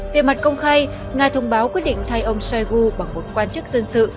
về mặt công khai nga thông báo quyết định thay ông shoigu bằng một quan chức dân sự